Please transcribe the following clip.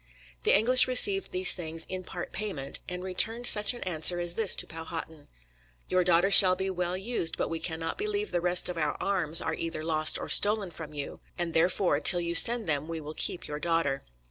The English received these things "in part payment," and returned such an answer as this to Powhatan: "Your daughter shall be well used, but we cannot believe the rest of our arms are either lost or stolen from you, and therefore, till you send them we will keep your daughter."